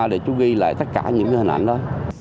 để chú ghi lại tất cả những hình ảnh đó